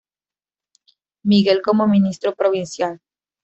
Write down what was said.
Miguel como Ministro Provincial.